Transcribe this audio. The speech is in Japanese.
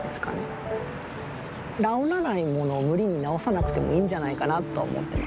治らないものを無理に治さなくてもいいんじゃないかなとは思ってます。